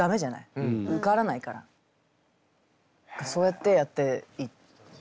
何かそうやってやっていった。